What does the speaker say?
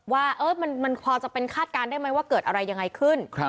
ว่ามันพอจะเป็นคาดการณ์ได้ไหมว่าเกิดอะไรยังไงขึ้น